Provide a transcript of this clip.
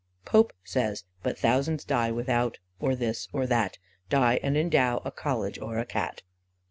Pope says: "But thousands die without or this or that Die and endow a college or a Cat."